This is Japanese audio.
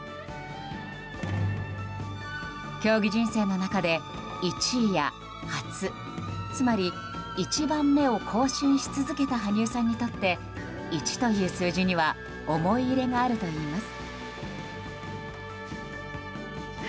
競技人生の中で１位や初つまり１番目を更新し続けた羽生さんにとって１という数字には思い入れがあるといいます。